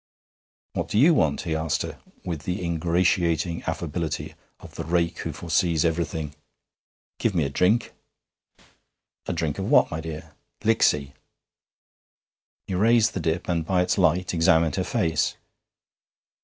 'What do you want?' he asked her, with the ingratiating affability of the rake who foresees everything. 'Give me a drink.' 'A drink of what, my dear?' 'Licksy.' He raised the dip, and by its light examined her face.